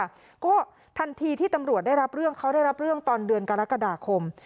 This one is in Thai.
แล้วก็ทันทีที่ตำรวจได้รับเรื่องเขาได้รับเรื่องตอนเดือนกรกฎาคม